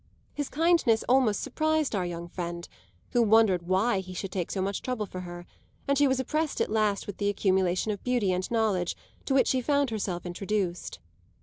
His kindness almost surprised our young friend, who wondered why he should take so much trouble for her; and she was oppressed at last with the accumulation of beauty and knowledge to which she found herself introduced.